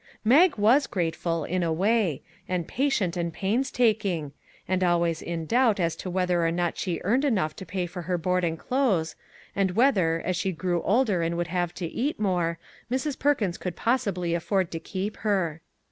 Mag was grateful, in a way; and patient and painstaking; and always in doubt as to whether or not she earned enough to pay for MAG AND MARGARET her board and clothes, and whether, as she grew older and would have to eat more, Mrs. Perkins could possibly afford to keep her.